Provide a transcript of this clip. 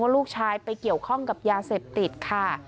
ลูกชายไปเกี่ยวข้องกับยาเสพติดค่ะ